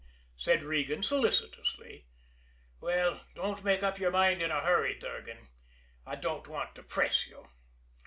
said Regan solicitously. "Well, don't make up your mind in a hurry, Durgan I don't want to press you.